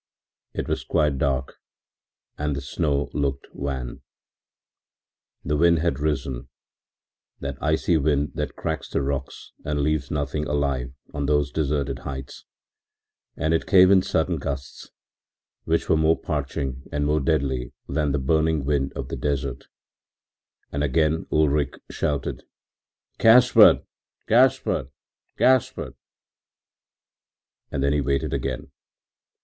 It was quite dark and the snow looked wan. The wind had risen, that icy wind that cracks the rocks and leaves nothing alive on those deserted heights, and it came in sudden gusts, which were more parching and more deadly than the burning wind of the desert, and again Ulrich shouted: “Gaspard! Gaspard! Gaspard.” And then he waited again.